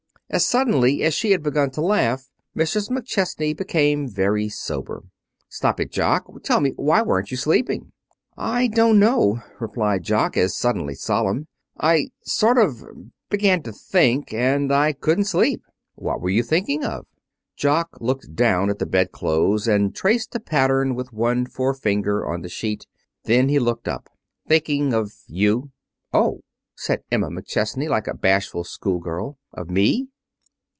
As suddenly as she had begun to laugh Mrs. McChesney became very sober. "Stop it, Jock! Tell me, why weren't you sleeping?" "I don't know," replied Jock, as suddenly solemn. "I sort of began to think, and I couldn't sleep." "What were you thinking of?" Jock looked down at the bedclothes and traced a pattern with one forefinger on the sheet. Then he looked up. "Thinking of you." "Oh!" said Emma McChesney, like a bashful schoolgirl. "Of me!"